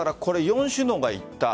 ４首脳が言った。